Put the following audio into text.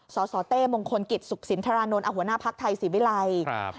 สสเต้มงคลกิจสุขศิลป์ธารณนท์อภักดิ์ไทยศรีวิลัยครับ